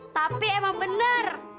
tapi emang bener